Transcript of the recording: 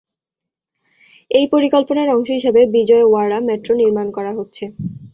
এই পরিকল্পনার অংশ হিসাবে বিজয়ওয়াড়া মেট্রো নির্মান করা হচ্ছে।